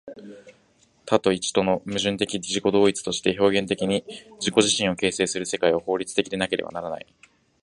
多と一との矛盾的自己同一として表現的に自己自身を形成する世界は、法律的でなければならない。